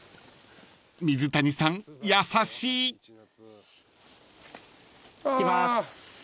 ［水谷さん優しい］いきます。